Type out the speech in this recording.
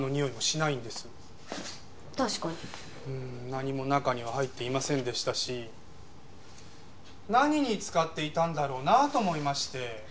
何も中には入っていませんでしたし何に使っていたんだろうなと思いまして。